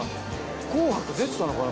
『紅白』出てたのかな？